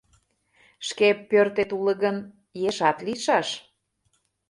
Шке пӧртет уло гын, ешат лийшаш.